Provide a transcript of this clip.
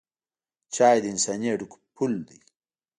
چای د انساني اړیکو پل دی.